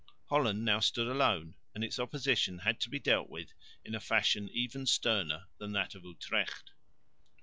Holland now stood alone, and its opposition had to be dealt with in a fashion even sterner than that of Utrecht.